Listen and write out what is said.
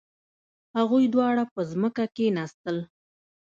هغوی دواړه په ځمکه کښیناستل.